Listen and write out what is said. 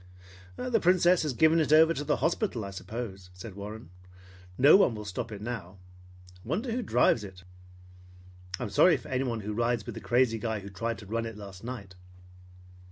"The Princess has given it over to the hospital, I suppose," said Warren. "No one will stop it now. Wonder who drives it? I'm sorry for anyone who rides with the crazy guy who tried to run it last night."